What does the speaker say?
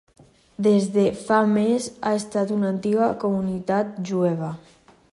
Des de fa més ha estat una antiga comunitat jueva.